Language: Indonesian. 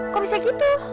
kok bisa gitu